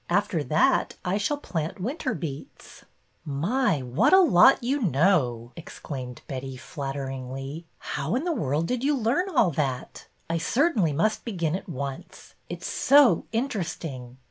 After that I shall plant winter beets." 86 BETTY BAIRD'S VENTURES My, what a lot you know !" exclaimed Betty, flatteringly. How in the world did you learn all that? I certainly must begin at once. It's so interesting.